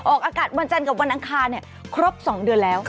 ออกอากาศวันจันทร์กับวันอังคารครบ๒เดือนแล้ว